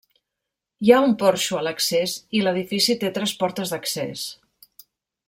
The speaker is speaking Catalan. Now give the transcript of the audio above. Hi ha un porxo a l'accés i l'edifici té tres portes d'accés.